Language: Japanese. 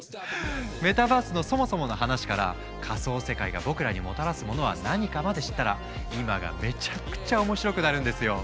メタバースのそもそもの話から仮想世界が僕らにもたらすものは何かまで知ったら今がめちゃくちゃ面白くなるんですよ！